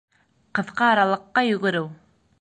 Ҡыҫҡа аралыҡҡа йүгереү